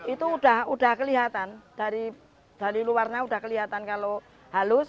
itu udah kelihatan dari luarnya sudah kelihatan kalau halus